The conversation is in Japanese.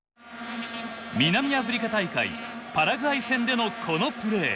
南アフリカ大会パラグアイ戦でのこのプレー。